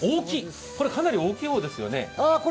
これ、かなり大きい方ですよね。